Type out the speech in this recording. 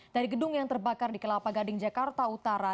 dari gedung yang terbakar di kelapa gading jakarta utara